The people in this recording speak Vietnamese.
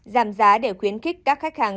giảm giá để khuyến khích các khách hàng